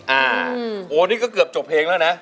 โอ้นี่ก็เกือบจบเพลงแล้วนะ